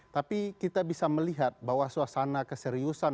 tapi kita bisa melihat bahwa suasana keseriusan